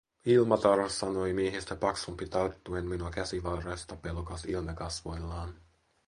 "Ilmatar", sanoi miehistä paksumpi tarttuen minua käsivarresta pelokas ilme kasvoillaan.